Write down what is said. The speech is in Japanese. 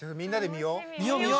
見よう。